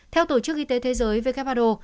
theo tổ chức y tế thế giới who